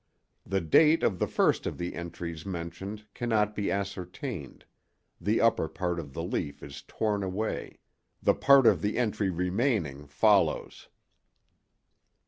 The date of the first of the entries mentioned cannot be ascertained; the upper part of the leaf is torn away; the part of the entry remaining follows